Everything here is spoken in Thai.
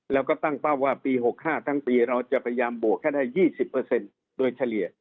แล้วก็ตั้งเป้าว่าปี๖๕ทั้งปีเราจะพยายามบวกให้ได้๒๐โดยเฉลี่ย